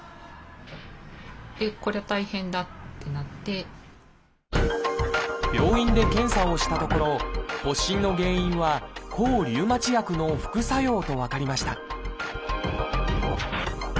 そしたら何か病院で検査をしたところ発疹の原因は抗リウマチ薬の副作用と分かりました